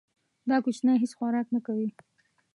دا کوچنی هیڅ خوراک نه کوي.